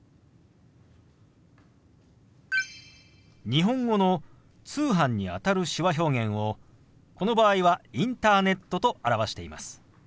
日本語の「通販」にあたる手話表現をこの場合は「インターネット」と表しています。